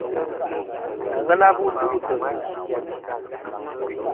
Àŋena bu duʼ tɨ̀ ndù.